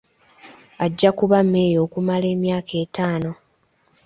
Ajja kuba mmeeya okumala emyaka etaano.